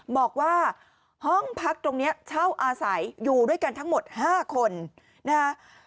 บอกว่าห้องพักตรงนี้เช่าอาศัยอยู่ด้วยกันทั้งหมด๕คนนะฮะ